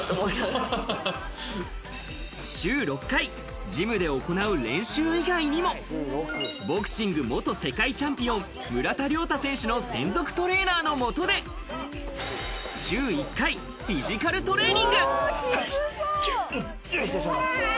週６回ジムで行う練習以外にも、ボクシング元世界チャンピオン村田諒太選手の専属トレーナーのもとで週１回、フィジカルトレーニング。